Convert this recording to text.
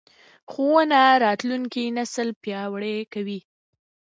ښوونه راتلونکی نسل پیاوړی کوي